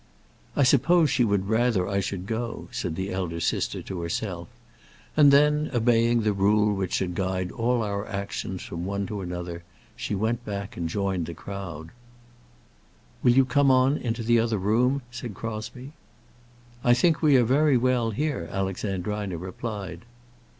"I suppose she would rather I should go," said the elder sister to herself; and then, obeying the rule which should guide all our actions from one to another, she went back and joined the crowd. "Will you come on into the other room?" said Crosbie. "I think we are very well here," Alexandrina replied.